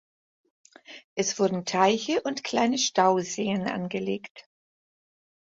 Es wurden Teiche und kleine Stauseen angelegt.